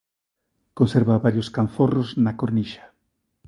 Conserva varios canzorros na cornixa.